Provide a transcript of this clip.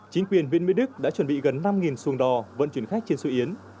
chính quyền huyện mỹ đức đã chuẩn bị gần năm xuồng đò vận chuyển khách trên xu yến